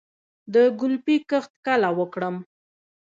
د ګلپي کښت کله وکړم؟